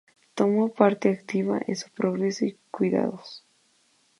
Tomó parte activa en su progreso y cuidados.